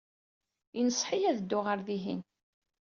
Yenṣeḥ-iyi ad dduɣ ɣer dihin.